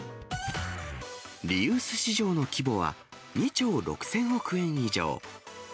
リユース市場の規模は、２兆６０００億円以上。